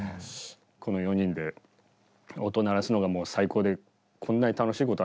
この４人で音鳴らすのがもう最高でこんなに楽しいことはない。